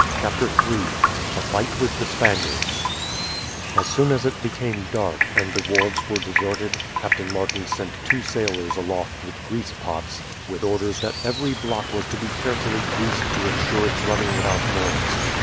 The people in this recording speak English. CHAPTER III A FIGHT WITH THE SPANIARDS As soon as it became dark, and the wharves were deserted, Captain Martin sent two sailors aloft with grease pots, with orders that every block was to be carefully greased to ensure its running without noise.